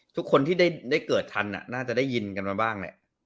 ทุกคนที่ได้เกิดทันน่าจะได้ยินกันมาบ้างแหละ